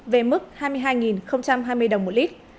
về mức hai mươi hai hai mươi đồng một lít